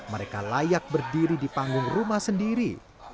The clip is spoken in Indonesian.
mereka layak berdiri di panggung rumah sendiri